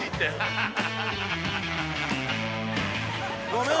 ごめん！